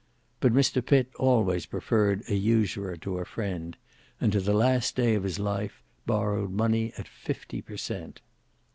But Mr Pitt always preferred an usurer to a friend; and to the last day of his life borrowed money at fifty per cent.